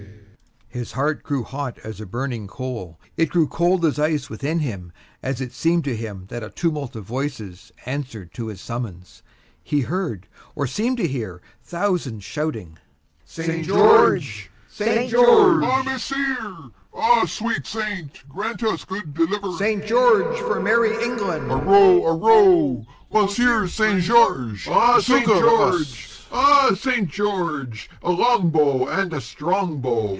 His heart grew hot as a burning coal, it grew cold as ice within him, as it seemed to him that a tumult of voices answered to his summons. He heard, or seemed to hear, thousands shouting: "St. George! St. George!" "Ha! Messire, ha! sweet Saint, grant us good deliverance!" "St. George for merry England!" "Harow! Harow! Monseigneur St. George, succor us!" "Ha! St. George! Ha! St. George! a long bow and a strong bow."